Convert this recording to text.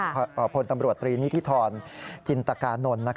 ขออธิบดีตรีนิทธรจินตรกานนท์